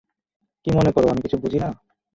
কী মনে করো আমি কিছু বুঝি না?